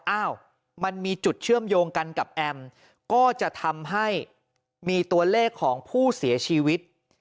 อ้าวมันมีจุดเชื่อมโยงกันกับแอมก็จะทำให้มีตัวเลขของผู้เสียชีวิต